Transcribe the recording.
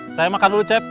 saya makan dulu cep